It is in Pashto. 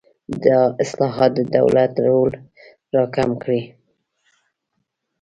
دا اصلاحات د دولت رول راکم کړي.